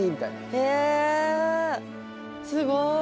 へえすごい。